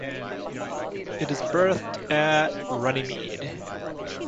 It is berthed at Runnymede.